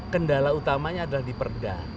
kendala utamanya adalah diperda